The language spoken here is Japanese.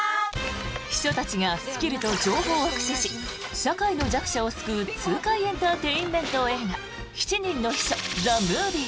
秘書たちがスキルと情報を駆使し社会の弱者を救う痛快エンターテインメント映画「七人の秘書ＴＨＥＭＯＶＩＥ」。